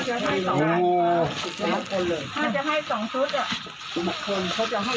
ให้ให้๒